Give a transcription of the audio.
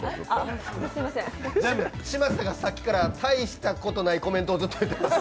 嶋佐がさっきから大したことないコメント言ってます。